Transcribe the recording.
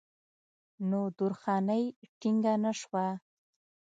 نو درخانۍ ټينګه نۀ شوه